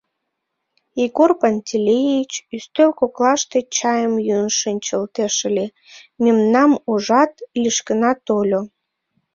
Егор Пантелеич ӱстел коклаште чайым йӱын шинчылтеш ыле, мемнам ужат, лишкына тольо.